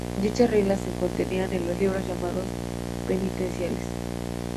Dichas reglas se contenían en los libros llamados "penitenciales".